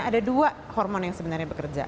ada dua hormon yang sebenarnya bekerja